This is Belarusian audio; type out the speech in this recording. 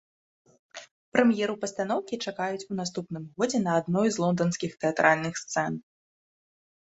Прэм'еру пастаноўкі чакаюць у наступным годзе на адной з лонданскіх тэатральных сцэн.